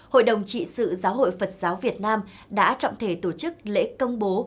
hội đồng trị sự giáo hội phật giáo việt nam đã trọng thể tổ chức lễ công bố